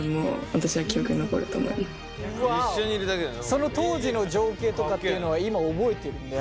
その当時の情景とかっていうのは今覚えてるんだ？